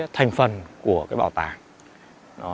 thành phần của cái bảo tàng